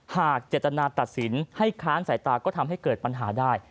หากเจตนาตัดสินให้ค้านสายตาก็ทำให้เกิดปัญหาได้